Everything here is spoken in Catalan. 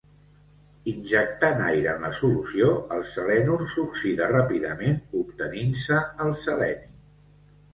Injectant aire en la solució el selenur s'oxida ràpidament obtenint-se el seleni.